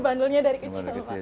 bandelnya dari kecil